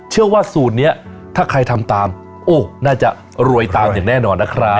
เชื่อว่าสูตรนี้ถ้าใครทำตามโอ้น่าจะรวยตามอย่างแน่นอนนะครับ